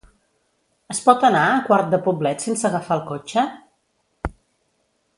Es pot anar a Quart de Poblet sense agafar el cotxe?